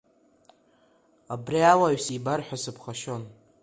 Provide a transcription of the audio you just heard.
Абри ауаҩ сибарҳәа сыԥхашьон.